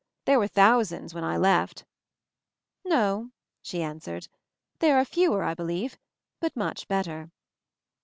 "There were thousands when I left!" "No," she answered. "There are fewer, I believe ; but much better."